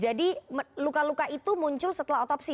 jadi luka luka itu muncul setelah otopsi